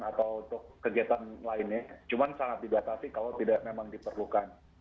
atau untuk kegiatan lainnya cuma sangat dibatasi kalau tidak memang diperlukan